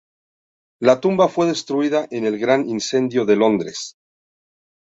La tumba fue destruida en el Gran Incendio de Londres.